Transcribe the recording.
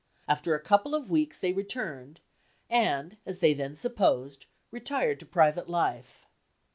After a couple of weeks they returned, and, as they then supposed, retired to private life.